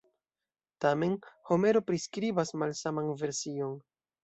Tamen, Homero priskribas malsaman version.